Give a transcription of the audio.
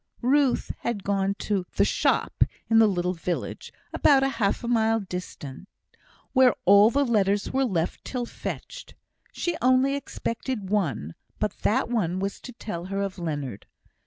Ruth had gone to "the shop" in the little village, about half a mile distant, where all letters were left till fetched. She only expected one, but that one was to tell her of Leonard.